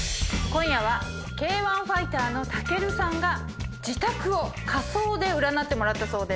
今夜はＫ−１ファイターの武尊さんが自宅を家相で占ってもらったそうです。